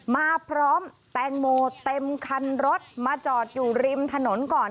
มาพร้อมแตงโมเต็มคันรถมาจอดอยู่ริมถนนก่อน